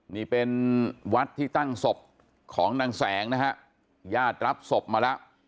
นี่เป็นวัดที่ตั้งศพของนางแสงนะฮะญาติรับศพมาแล้ว